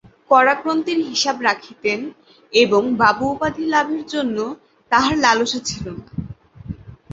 কড়াক্রন্তির হিসাব রাখিতেন, এবং বাবু উপাধি লাভের জন্য তাঁহার লালসা ছিল না।